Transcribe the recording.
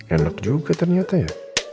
enak juga ternyata ya